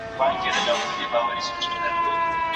دا جمع ده.